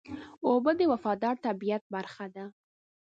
اوبه د وفادار طبیعت برخه ده.